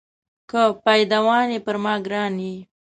که پایدوان یې پر ما ګران یې.